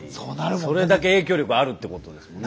それだけ影響力あるってことですもんね。